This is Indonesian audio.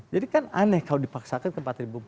jadi kan aneh kalau dipaksakan ke empat empat ratus